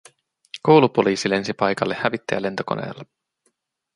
Koulupoliisi lensi paikalle hävittäjälentokoneella